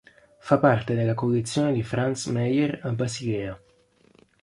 Fa parte della collezione di Franz Meyer a Basilea.